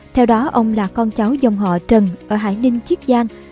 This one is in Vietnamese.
theo đó ông là con cháu dòng họ trần ở hải ninh chiết giang